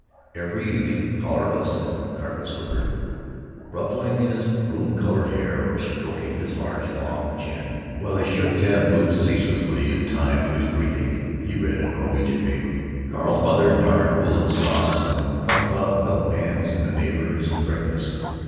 Every evening, collarless and carpet slippered, ruffling his broom colored hair or stroking his large, long chin, while his shirt tab moved ceaselessly in time to his breathing, he read a Norwegian paper. Carl's mother darned woolen socks and thought about milk pans and the neighbors and breakfast.